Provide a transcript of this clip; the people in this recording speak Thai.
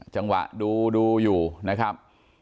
จังหวะดูอยู่นะครับ